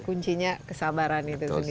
kunci nya kesabaran itu sendiri